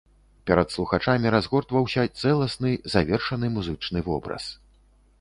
Перад слухачамі разгортваўся цэласны, завершаны музычны вобраз.